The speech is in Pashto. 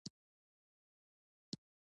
د ډیمریج لګښت څومره دی؟